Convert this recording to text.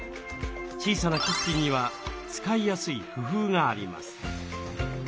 小さなキッチンには使いやすい工夫があります。